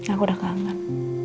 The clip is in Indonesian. aku udah kangen